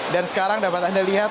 dan sekarang dapat anda lihat